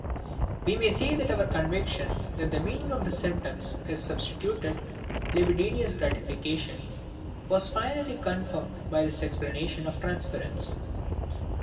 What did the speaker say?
We may say that our conviction that the meaning of the symptoms is substituted libidinous gratification was finally confirmed by this explanation of transference.